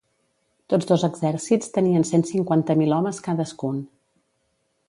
Tots dos exèrcits tenien cent cinquanta mil homes cadascun.